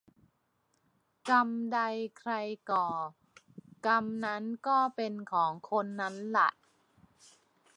กรรมใดใครก่อ กรรมนั้นก็เป็นของคนนั้นแหละ